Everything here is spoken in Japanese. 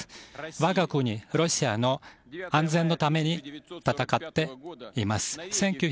我が国ロシアの安全のために戦っています。